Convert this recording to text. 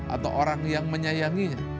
atau orang yang menyayanginya